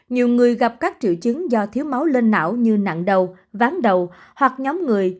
nhiều người gặp các triệu chứng do thiếu máu lên não như nặng đầu ván đầu hoặc nhóm người